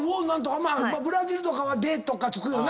ブラジルとかは「デ」とか付くよな。